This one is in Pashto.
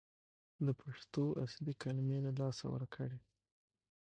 که پښتو اصلي کلمې له لاسه ورکړي